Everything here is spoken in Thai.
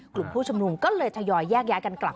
กลุ่มผู้ชุมนุมก็เลยทยอยแยกย้ายกันกลับ